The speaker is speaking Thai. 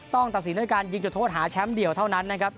ตัดสินด้วยการยิงจุดโทษหาแชมป์เดี่ยวเท่านั้นนะครับ